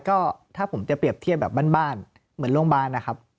ก็ถ้าผมจะเปรียบเทียบแบบบ้านเหมือนโรงพยาบาลนะครับ